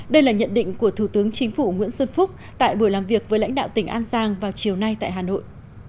đây là nhận định của thủ tướng chính phủ nguyễn xuân phúc tại buổi làm việc với lãnh đạo tỉnh an giang vào chiều nay tại hà nội